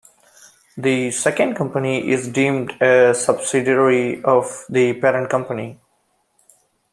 The second company is deemed a subsidiary of the parent company.